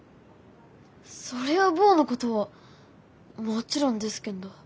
そりゃ坊のことはもちろんですけんど。